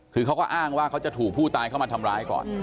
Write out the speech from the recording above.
คือเขาก็อ้างว่าเขาจะถูกผู้ตายเข้ามาทำร้ายก่อน